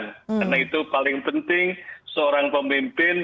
karena itu paling penting seorang pemimpin